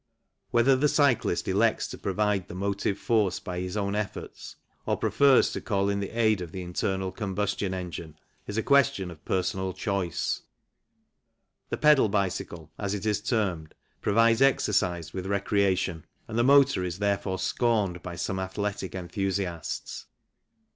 Whether the cyclist elects to provide the motive force by his own efforts or prefers to call in the aid of the internal combustion engine is a question of personal choice. The pedal bicycle, as it is termed, provides exercise with recreation, and the motor is therefore scorned by some athletic enthusiasts.